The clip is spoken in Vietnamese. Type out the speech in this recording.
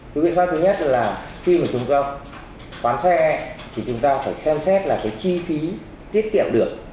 cái biện pháp thứ nhất là khi mà chúng ta bán xe thì chúng ta phải xem xét là cái chi phí tiết kiệm được